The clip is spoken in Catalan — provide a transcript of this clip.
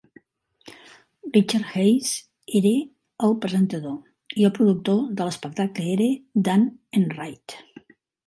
Richard Hayes era el presentador i el productor de l"espectable era Dan Enright.